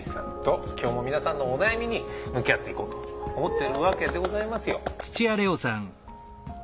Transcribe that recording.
今日も皆さんのお悩みに向き合っていこうと思ってるわけでございますよ。